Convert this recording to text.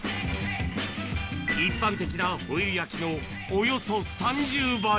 一般的なホイル焼きのおよそ３０倍。